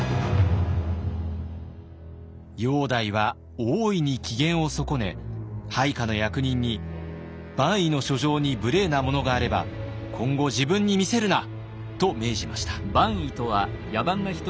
煬帝は大いに機嫌を損ね配下の役人に「蛮夷の書状に無礼なものがあれば今後自分に見せるな」と命じました。